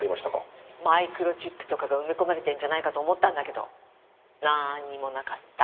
マイクロチップとかが埋め込まれているんじゃないかと思ったんだけどなんにもなかった。